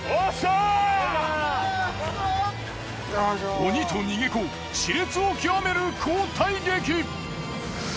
鬼と逃げ子しれつを極める交代劇！